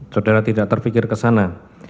saudara tidak terpikir ke sana